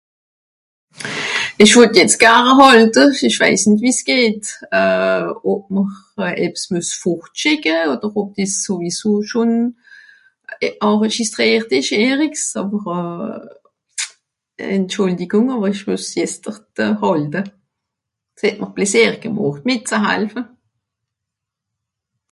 Esch wott jetzt gare hàlte esch weiss nìt wie's geht euhh ob m'r e ebs müess fortschìcke oder ob des sowieso schon enregistriert esch i érix àwer euh entschuldigung àwer esch müess jetztert euh hàlte s het mr plaisiert gemocht mìtzehalfe